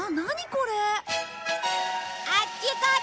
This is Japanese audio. これ。